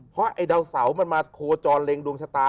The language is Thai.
เพราะไอ้ดาวเสามันมาโคจรเล็งดวงชะตา